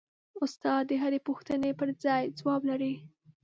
استاد د هرې پوښتنې پرځای ځواب لري.